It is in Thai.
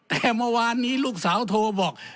แต่เมื่อวานนี้ลูกสาวโทรบอก